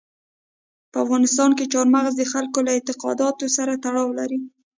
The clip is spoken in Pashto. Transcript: په افغانستان کې چار مغز د خلکو له اعتقاداتو سره تړاو لري.